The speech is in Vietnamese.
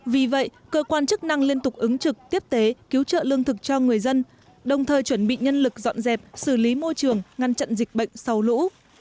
vì vậy cơ quan chức năng liên tục ứng trực tiếp tế cứu trợ lương thực cho người dân đồng thời chuẩn bị nhân lực dọn dẹp xử lý môi trường ngăn chặn dịch bệnh sau lũ